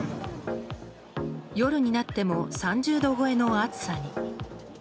夜になっても３０度超えの暑さに。